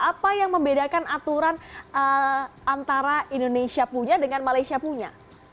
apa yang membedakan aturan antara indonesia punya dengan malaysia punya